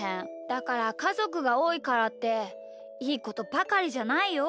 だからかぞくがおおいからっていいことばかりじゃないよ。